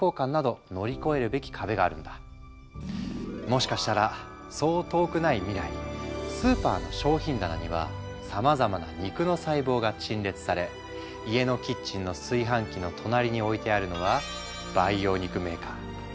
もしかしたらそう遠くない未来スーパーの商品棚にはさまざまな肉の細胞が陳列され家のキッチンの炊飯器の隣に置いてあるのは培養肉メーカー。